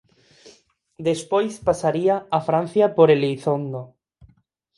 Despois pasaría a Francia por Elizondo.